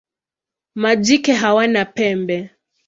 Majike hawana pembe.